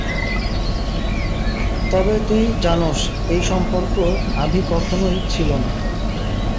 তবে, তুই জানোস, এই সম্পর্ক আভি কখনো ছিলোই না।